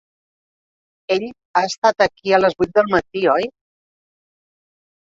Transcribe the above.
Ell ha estat aquí a les vuit del matí, oi?